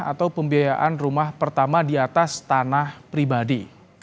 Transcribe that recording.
atau pembiayaan rumah pertama di atas tanah pribadi